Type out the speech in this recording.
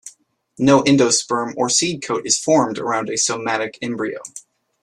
No endosperm or seed coat is formed around a somatic embryo.